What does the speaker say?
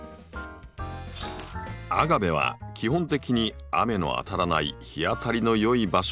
アガベは基本的に雨の当たらない日当たりの良い場所が好み。